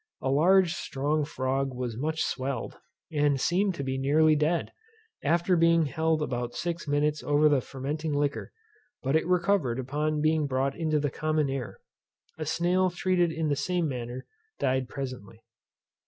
A large strong frog was much swelled, and seemed to be nearly dead, after being held about six minutes over the fermenting liquor; but it recovered upon being brought into the common air. A snail treated in the same manner died presently.